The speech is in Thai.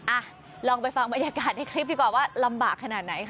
อ่ะลองไปฟังบรรยากาศในคลิปดีกว่าว่าลำบากขนาดไหนค่ะ